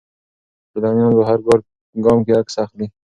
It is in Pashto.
سیلانیان په هر ګام کې عکس اخلي.